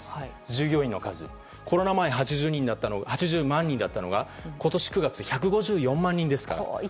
従業員の数コロナ前は８０万人だったのが今年９月、１５４万人ですから。